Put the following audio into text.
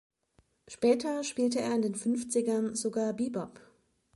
Später spielte er in den Fünfzigern sogar Bebop.